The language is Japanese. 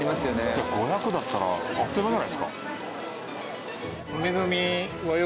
じゃあ５００だったらあっという間じゃないですか。